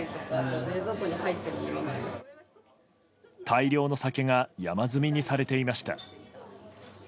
大量の酒が山積みにされていました。